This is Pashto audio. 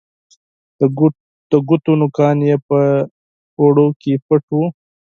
د ګوتو نوکان یې په اوړو کې پټ وه